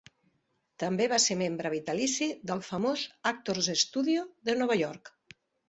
També va ser membre vitalici del famós "Actors Studio" de Nova York.